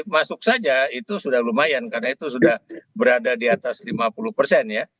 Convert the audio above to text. masuk saja itu sudah lumayan karena itu sudah berada di atas lima puluh persen ya